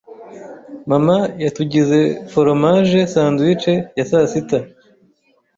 Mama yatugize foromaje sandwiches ya sasita.